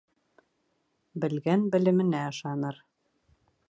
Белгән белеменә ышаныр